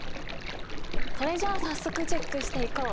それじゃあ早速チェックしていこう。